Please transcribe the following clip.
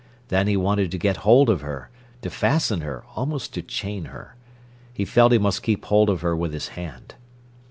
Then he wanted to get hold of her, to fasten her, almost to chain her. He felt he must keep hold of her with his hand.